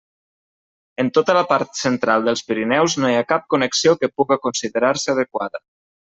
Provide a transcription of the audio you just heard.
En tota la part central dels Pirineus no hi ha cap connexió que puga considerar-se adequada.